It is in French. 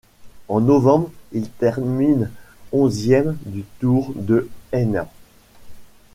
En novembre, il termine onzième du Tour de Hainan.